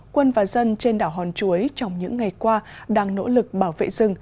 quân và dân trên đảo hòn chuối trong những ngày qua đang nỗ lực bảo vệ rừng